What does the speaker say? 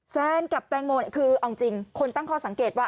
แซนกับแตงโมคือเอาจริงคนตั้งข้อสังเกตว่า